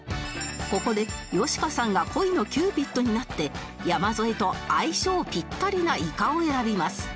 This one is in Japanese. ここでよしかさんが恋のキューピッドになって山添と相性ぴったりなイカを選びます